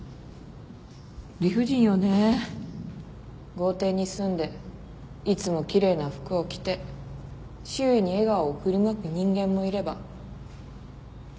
豪邸に住んでいつも奇麗な服を着て周囲に笑顔を振りまく人間もいれば。